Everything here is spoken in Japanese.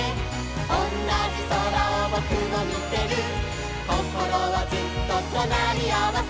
「おんなじ空をぼくもみてる」「こころはずっととなりあわせ」